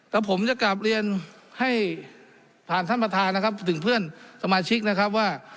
แล้วผมจะกลับเรียนให้ผ่านท่านประธานนะครับถึงเพื่อนสมาชิกนะครับว่า